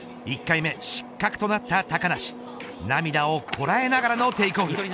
１回目失格となった高梨涙をこらえながらのテイクオフ。